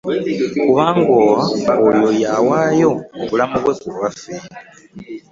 Kubanga oyo yawaayo obulamu bwe ku lwaffe.